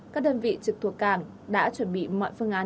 các đơn vị trực thuộc cảng đã chuẩn bị mọi phương án